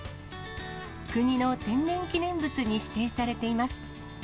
国の天然記念物に指定されています。